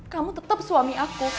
kamu tetep suami aku